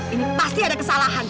ini pasti ada kesalahan